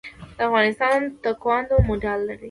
د افغانستان تکواندو مډال لري